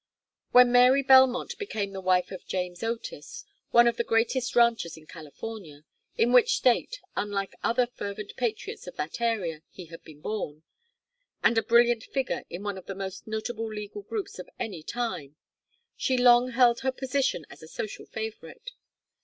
When Mary Belmont became the wife of James Otis, one of the greatest ranchers in California in which State, unlike other fervent patriots of that era, he had been born and a brilliant figure in one of the most notable legal groups of any time, she long held her position as a social favorite.